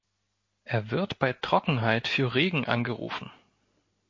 Er wird bei Trockenheit für Regen angerufen.